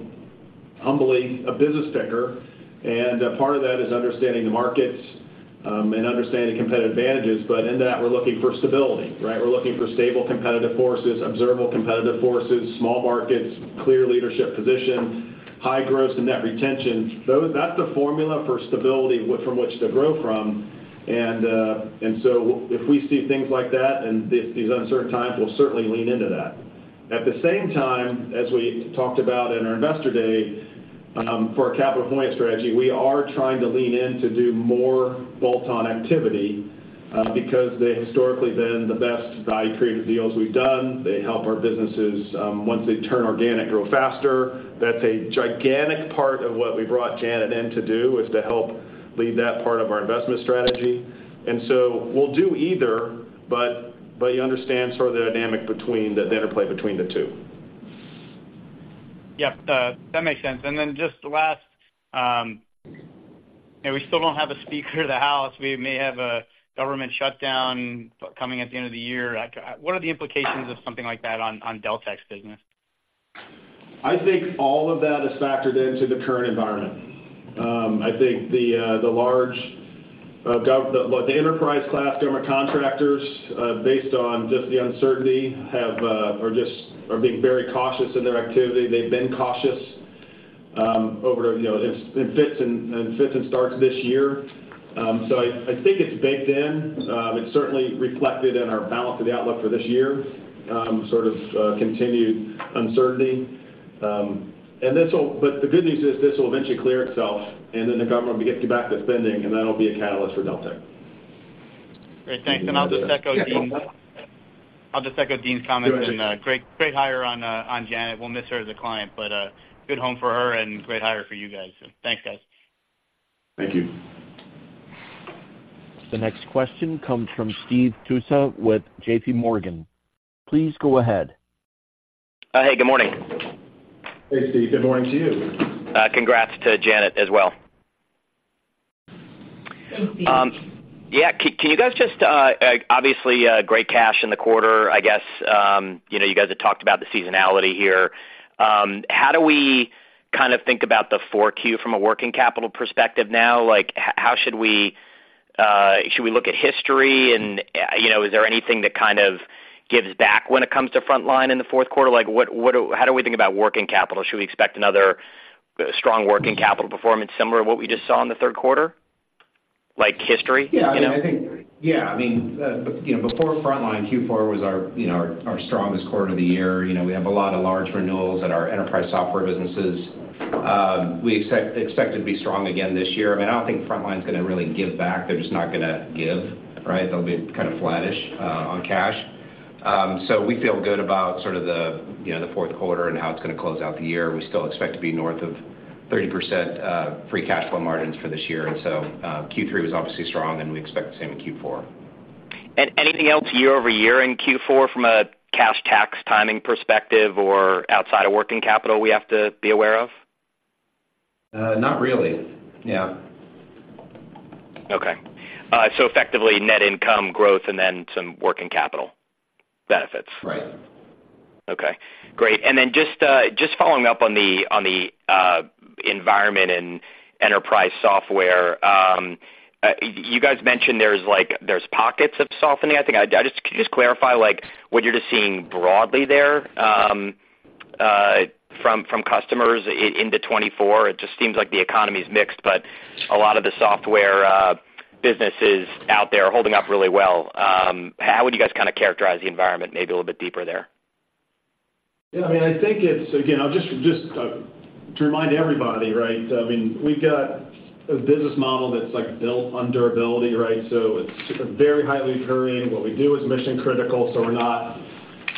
humbly, a business picker. And, part of that is understanding the markets, and understanding competitive advantages. But in that, we're looking for stability, right? We're looking for stable competitive forces, observable competitive forces, small markets, clear leadership position, high gross and net retention. So that's the formula for stability from which to grow from. And, and so if we see things like that in these, these uncertain times, we'll certainly lean into that. At the same time, as we talked about in our Investor Day, for our capital deployment strategy, we are trying to lean in to do more bolt-on activity, because they historically been the best value-creative deals we've done. They help our businesses, once they turn organic, grow faster. That's a gigantic part of what we brought Janet in to do, is to help lead that part of our investment strategy. And so we'll do either, but you understand sort of the dynamic between the interplay between the two. Yeah, that makes sense. And then just the last, and we still don't have a Speaker of the House. We may have a government shutdown coming at the end of the year. What are the implications of something like that on, on Deltek's business? I think all of that is factored into the current environment. I think the large, the enterprise class government contractors, based on just the uncertainty, are being very cautious in their activity. They've been cautious, over you know in fits and starts this year. So I think it's baked in. It's certainly reflected in our balance of the outlook for this year, sort of continued uncertainty. And this will—but the good news is, this will eventually clear itself, and then the government will get back to spending, and that'll be a catalyst for Deltek. Great, thanks. And I'll just echo Deane. I'll just echo Deane's comments. And, great, great hire on, on Janet. We'll miss her as a client, but, good home for her and great hire for you guys. So thanks, guys. Thank you. The next question comes from Steve Tusa with JPMorgan. Please go ahead. Hey, good morning. Hey, Steve. Good morning to you. Congrats to Janet as well. Thank you. Yeah, can you guys just obviously great cash in the quarter, I guess, you know, you guys have talked about the seasonality here. How do we kind of think about the Q4 from a working capital perspective now? Like, how should we look at history and, you know, is there anything that kind of gives back when it comes to Frontline in the fourth quarter? Like, what, how do we think about working capital? Should we expect another strong working capital performance, similar to what we just saw in the third quarter, like history, you know? Yeah, I think, yeah, I mean, you know, before Frontline, Q4 was our, you know, our strongest quarter of the year. You know, we have a lot of large renewals at our enterprise software businesses. We expect to be strong again this year. I mean, I don't think Frontline's gonna really give back. They're just not gonna give, right? They'll be kind of flattish on cash. So we feel good about sort of the, you know, the fourth quarter and how it's gonna close out the year. We still expect to be north of 30% free cash flow margins for this year. And so, Q3 was obviously strong, and we expect the same in Q4. Anything else year over year in Q4 from a cash tax timing perspective or outside of working capital we have to be aware of? Not really. Yeah. Okay. So effectively, net income growth and then some working capital benefits? Right. Okay, great. And then just following up on the environment and enterprise software, you guys mentioned there's like pockets of softening, I think. Could you just clarify, like, what you're just seeing broadly there from customers in 2024? It just seems like the economy is mixed, but a lot of the software businesses out there are holding up really well. How would you guys kinda characterize the environment maybe a little bit deeper there? Yeah, I mean, I think it's... Again, I'll just to remind everybody, right? I mean, we've got a business model that's, like, built on durability, right? So it's very highly recurring. What we do is mission-critical, so we're not,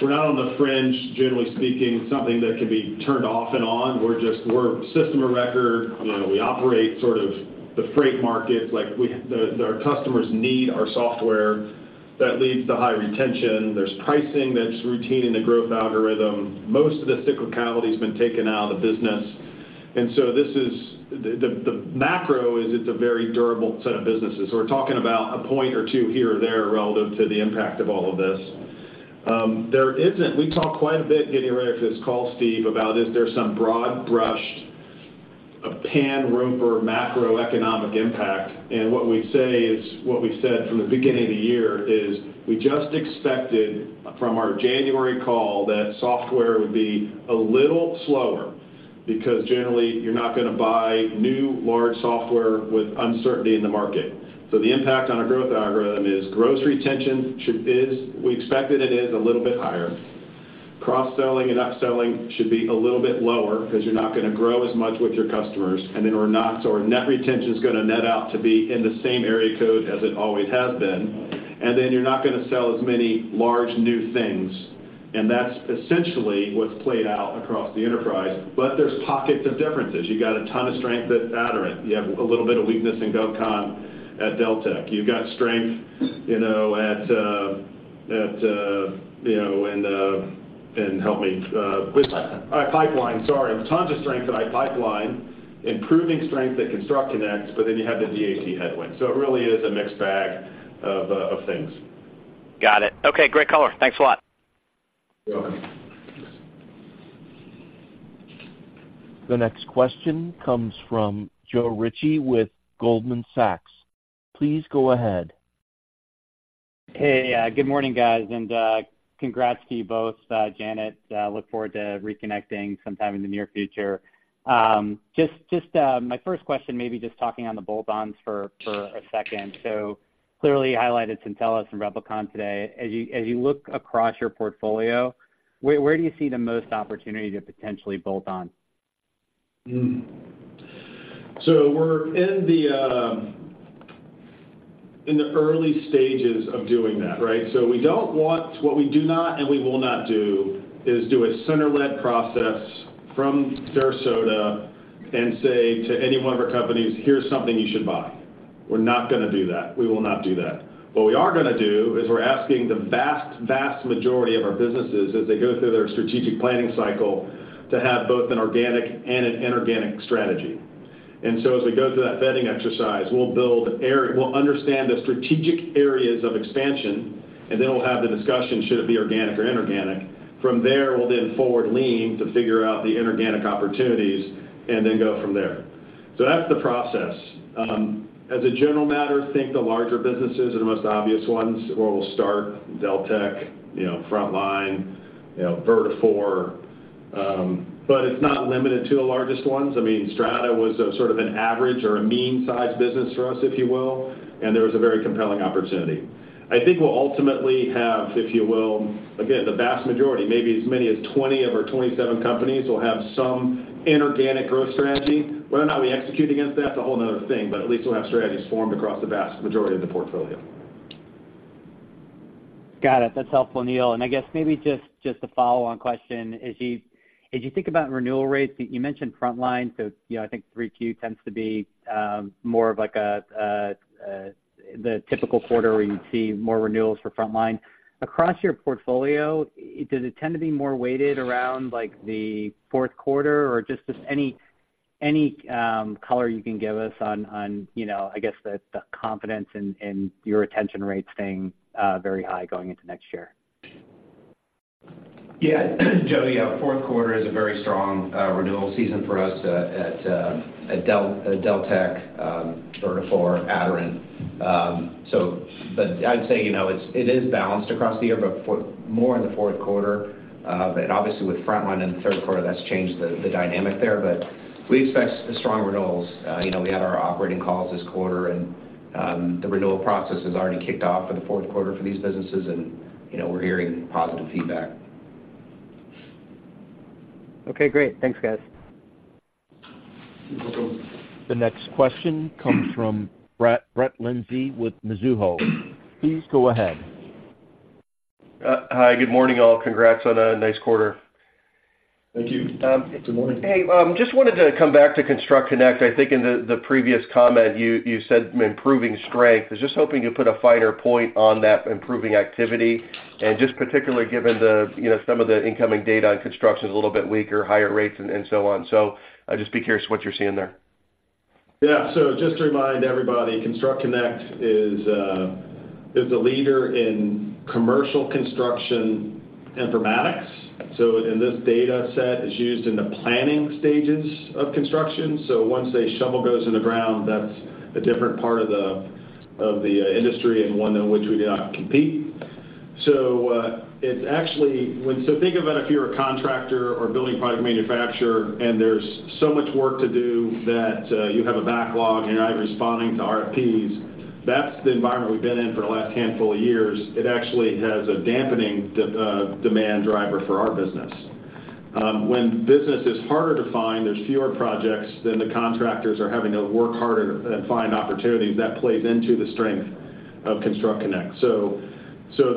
we're not on the fringe, generally speaking, something that can be turned off and on. We're just, we're system of record. You know, we operate sort of the freight markets, like, we, the, our customers need our software. That leads to high retention. There's pricing that's routine in the growth algorithm. Most of the cyclicality has been taken out of the business. And so this is the macro is it's a very durable set of businesses. We're talking about a point or two here or there relative to the impact of all of this. There isn't. We talked quite a bit getting ready for this call, Steve, about if there's some broad-brushed, a pan-Roper macroeconomic impact, and what we say is, what we said from the beginning of the year is, we just expected from our January call that software would be a little slower because generally, you're not gonna buy new, large software with uncertainty in the market. So the impact on our growth-algorithm is gross retention, should is, we expect that it is a little bit higher. Cross-selling and up-selling should be a little bit lower because you're not gonna grow as much with your customers, and then we're not... So our net retention is gonna net out to be in the same area code as it always has been. And then you're not gonna sell as many large new things, and that's essentially what's played out across the enterprise. But there's pockets of differences. You got a ton of strength at Aderant. You have a little bit of weakness in GovCon at Deltek. You've got strength, you know, at, you know, and help me, iPipeline. iPipeline, sorry. Tons of strength at iPipeline, improving strength at ConstructConnect, but then you have the DAT headwind, so it really is a mixed bag of things. Got it. Okay, great color. Thanks a lot. You're welcome. The next question comes from Joe Ritchie with Goldman Sachs. Please go ahead. Hey, good morning, guys, and, congrats to you both, Janet, look forward to reconnecting sometime in the near future. Just, my first question, maybe just talking on the bolt-ons for a second. So clearly, you highlighted Syntellis and Replicon today. As you look across your portfolio, where do you see the most opportunity to potentially bolt on? So we're in the early stages of doing that, right? So we don't want—what we do not, and we will not do, is do a center-led process from Sarasota and say to any one of our companies: "Here's something you should buy." We're not gonna do that. We will not do that. What we are gonna do is we're asking the vast, vast majority of our businesses, as they go through their strategic planning cycle, to have both an organic and an inorganic strategy. And so as we go through that vetting exercise, we'll understand the strategic areas of expansion, and then we'll have the discussion, should it be organic or inorganic? From there, we'll then forward lean to figure out the inorganic opportunities and then go from there. So that's the process. As a general matter, I think the larger businesses are the most obvious ones, where we'll start Deltek, you know, Frontline, you know, Vertafore, but it's not limited to the largest ones. I mean, Strata was a sort of an average or a mean-sized business for us, if you will, and there was a very compelling opportunity. I think we'll ultimately have, if you will, again, the vast majority, maybe as many as 20 of our 27 companies will have some inorganic growth strategy. Whether or not we execute against that is a whole another thing, but at least we'll have strategies formed across the vast majority of the portfolio. Got it. That's helpful, Neil. And I guess maybe just a follow-on question. As you think about renewal rates, you mentioned Frontline, so, you know, I think Q3 tends to be more of like the typical quarter where you'd see more renewals for Frontline. Across your portfolio, does it tend to be more weighted around, like, the fourth quarter? Or just any color you can give us on, you know, I guess, the confidence in your retention rates staying very high going into next year. Yeah, Joe, fourth quarter is a very strong renewal season for us at Deltek, Vertafore, Aderant. So but I'd say, you know, it is balanced across the year, but for more in the fourth quarter. But obviously with Frontline in the third quarter, that's changed the dynamic there. But we expect strong renewals. You know, we had our operating calls this quarter, and the renewal process has already kicked off for the fourth quarter for these businesses, and, you know, we're hearing positive feedback. Okay, great. Thanks, guys. You're welcome. The next question comes from Brett, Brett Linzey with Mizuho. Please go ahead. Hi, good morning, all. Congrats on a nice quarter. Thank you. Good morning. Hey, just wanted to come back to ConstructConnect. I think in the previous comment, you said improving strength. I was just hoping you'd put a finer point on that improving activity, and just particularly given the, you know, some of the incoming data on construction is a little bit weaker, higher rates and so on. So I'd just be curious what you're seeing there. Yeah. So just to remind everybody, ConstructConnect is the leader in commercial construction informatics. So and this dataset is used in the planning stages of construction. So once a shovel goes in the ground, that's a different part of the industry and one in which we do not compete. So it's actually when... So think about if you're a contractor or a building product manufacturer, and there's so much work to do that you have a backlog, and you're out responding to RFPs. That's the environment we've been in for the last handful of years. It actually has a dampening demand driver for our business. When business is harder to find, there's fewer projects, then the contractors are having to work harder and find opportunities. That plays into the strength of ConstructConnect. So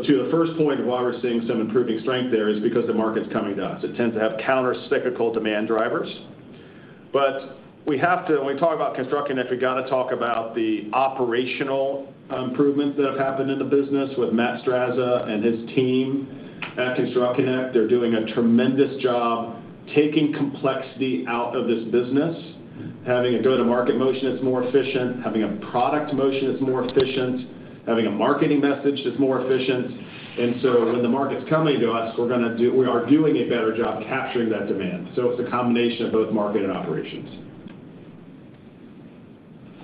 to the first point of why we're seeing some improving strength there, is because the market's coming to us. It tends to have countercyclical demand drivers. But we have to. When we talk about ConstructConnect, we've got to talk about the operational improvements that have happened in the business with Matt Strazza and his team at ConstructConnect. They're doing a tremendous job taking complexity out of this business, having a go-to-market motion that's more efficient, having a product motion that's more efficient, having a marketing message that's more efficient. And so when the market's coming to us, we're gonna do. We are doing a better job capturing that demand. So it's a combination of both market and operations.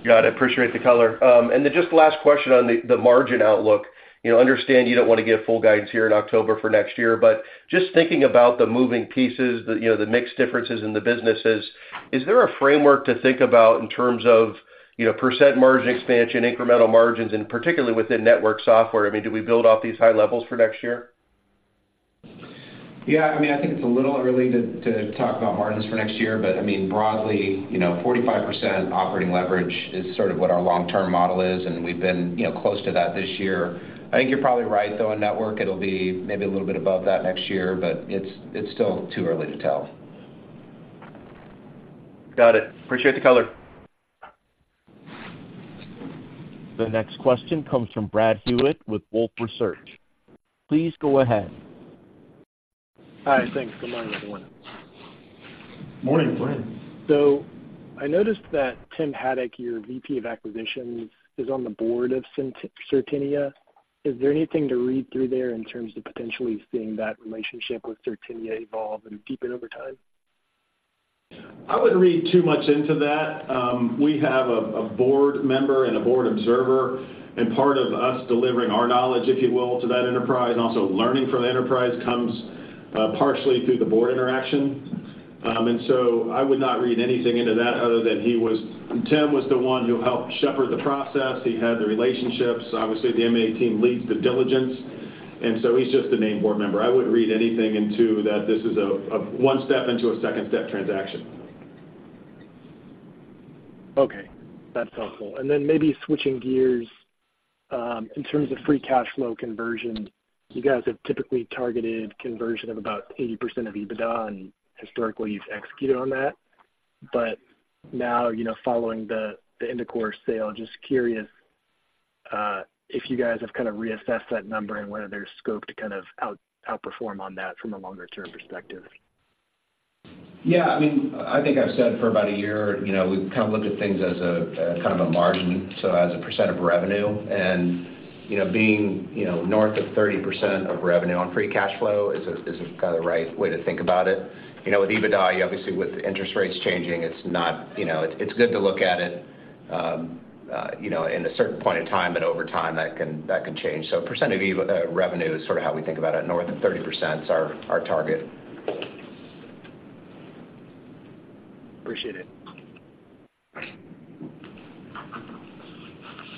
Got it. Appreciate the color. And then just last question on the margin outlook. You know, I understand you don't want to give full guidance here in October for next year, but just thinking about the moving pieces, you know, the mix differences in the businesses, is there a framework to think about in terms of, you know, percent margin expansion, incremental margins, and particularly within network software? I mean, do we build off these high levels for next year? Yeah, I mean, I think it's a little early to talk about margins for next year, but I mean, broadly, you know, 45% operating leverage is sort of what our long-term model is, and we've been, you know, close to that this year. I think you're probably right, though, on network, it'll be maybe a little bit above that next year, but it's still too early to tell. Got it. Appreciate the color. The next question comes from Brad Hewitt with Wolfe Research. Please go ahead. Hi. Thanks. Good morning, everyone. Morning, Brad. So I noticed that Tim Haddock, your VP of Acquisitions, is on the board of Certinia. Is there anything to read through there in terms of potentially seeing that relationship with Certinia evolve and deepen over time? I wouldn't read too much into that. We have a board member and a board observer, and part of us delivering our knowledge, if you will, to that enterprise, and also learning from the enterprise, comes partially through the board interaction. And so I would not read anything into that other than he was Tim was the one who helped shepherd the process. He had the relationships. Obviously, the M&A team leads the diligence, and so he's just the main board member. I wouldn't read anything into that. This is a one step into a second-step transaction. Okay, that's helpful. Then maybe switching gears, in terms of free cash flow conversion, you guys have typically targeted conversion of about 80% of EBITDA, and historically, you've executed on that. But now, you know, following the Indicor sale, just curious, if you guys have kind of reassessed that number and whether there's scope to kind of outperform on that from a longer-term perspective. Yeah, I mean, I think I've said for about a year, you know, we've kind of looked at things as a kind of a margin, so as a % of revenue. And, you know, being, you know, north of 30% of revenue on free cash flow is kind of the right way to think about it. You know, with EBITDA, obviously, with interest rates changing, it's not, you know. It's good to look at it, you know, in a certain point in time, but over time, that can change. So % of revenue is sort of how we think about it. North of 30% is our target. Appreciate it.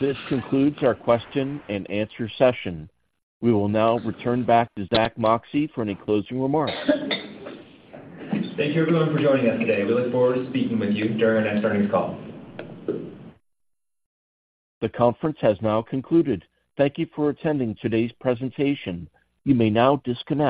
This concludes our question and answer session. We will now return back to Zack Moxcey for any closing remarks. Thank you, everyone, for joining us today. We look forward to speaking with you during our next earnings call. The conference has now concluded. Thank you for attending today's presentation. You may now disconnect.